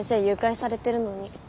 誘拐されてるのに。